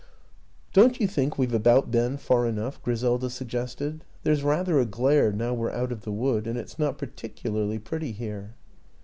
" Don't you think we've about been far enough?" Griselda suggested. "There's rather a glare now we're out of the wood, and it's not particularly pretty here."